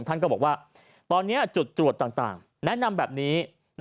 ท่านก็บอกว่าตอนนี้จุดตรวจต่างแนะนำแบบนี้